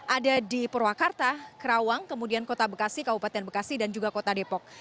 ada di purwakarta kerawang kemudian kota bekasi kabupaten bekasi dan juga kota depok